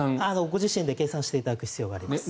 ご自身で計算していただく必要があります。